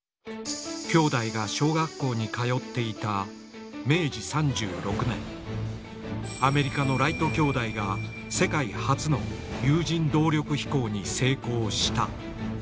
兄弟が小学校に通っていた明治３６年アメリカのライト兄弟が世界初の有人動力飛行に成功した。